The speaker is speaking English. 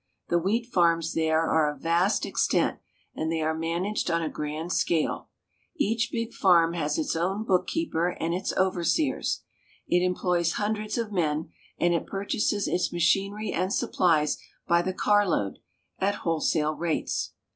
The wheat farms there are of vast extent, and they are managed on a grand scale. Each big farm has its own bookkeeper and its overseers. It employs hundreds of men, and it purchases its machinery and supplies by the carload, at w^holesale rates.